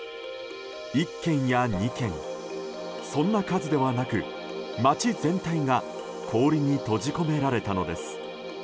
１軒や２軒そんな数ではなく町全体が氷に閉じ込められたのです。